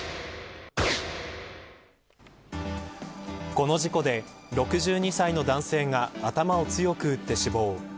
この事故で６２歳の男性が頭を強く打って死亡。